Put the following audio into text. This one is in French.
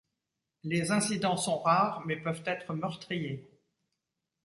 Les incidents sont rares mais peuvent être meurtriers.